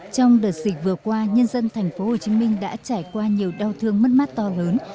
trong đợt dịch vừa qua nhân dân tp hcm đã trải qua nhiều đau thương mất mát to lớn